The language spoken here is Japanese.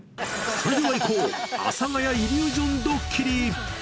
それではいこう、阿佐ヶ谷イリュージョンドッキリ。